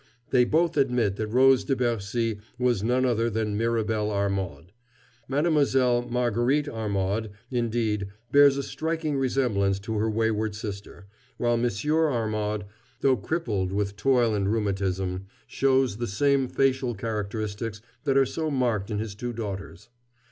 They both admit that Rose de Bercy was none other than Mirabel Armaud. Mademoiselle Marguerite Armaud, indeed, bears a striking resemblance to her wayward sister, while Monsieur Armaud, though crippled with toil and rheumatism, shows the same facial characteristics that are so marked in his two daughters.